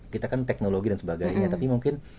kita kan teknologi dan sebagainya tapi mungkin